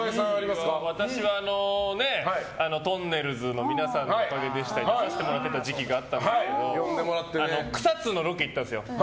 私は「とんねるずのみなさんのおかげでした」に出してもらってた時期があったんですけど草津のロケ行ったんです。